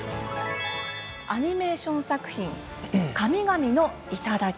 アニメーション作品「神々の山嶺」。